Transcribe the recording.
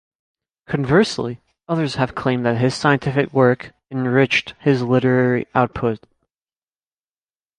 Conversely, others have claimed that his scientific work enriched his literary output.